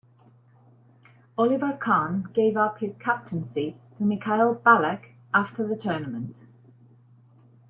Oliver Kahn gave up his captaincy to Michael Ballack after the tournament.